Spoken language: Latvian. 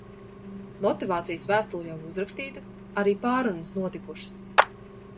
Motivācijas vēstule jau uzrakstīta. Arī pārrunas notikušas.